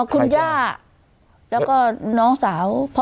คุณย่าแล้วก็น้องสาว